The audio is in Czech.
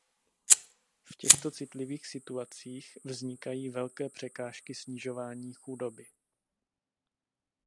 V těchto citlivých situacích vznikají velké překážky snižování chudoby.